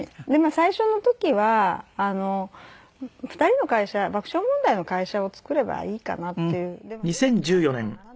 最初の時は２人の会社爆笑問題の会社を作ればいいかなっていう。